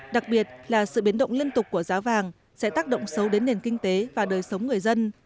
đặc biệt là sự biến động liên tục của giá vàng sẽ tác động xấu đến nền kinh tế và đời sống người dân